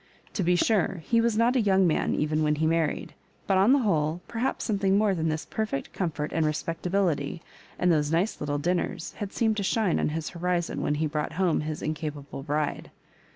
To be sure, he was not a young man even when he married; but, on the whole, perhaps some thing more than this perfect comfort and respec tability, and those nice little dinners, had seemed to shine on his horizon when lie brought homo his incapable bride.